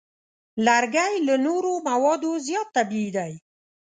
لرګی له نورو موادو زیات طبیعي دی.